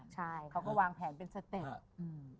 ใช่เขาก็วางแผนเป็นสเต็ปอืม